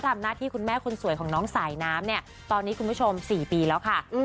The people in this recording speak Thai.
พรุ่งนี้ก็บอกว่าโชว์ยูโรปไป